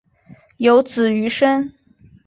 有子俞深。